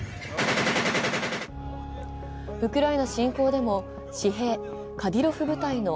ウクライナ侵攻でも私兵カディロフ部隊の